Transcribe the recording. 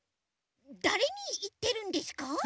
だれにいってるんですか？